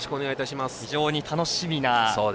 非常に楽しみな。